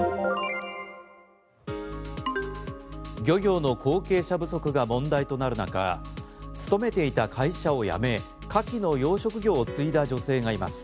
漁業の後継者不足が問題となる中勤めていた会社を辞めカキの養殖業を継いだ女性がいます。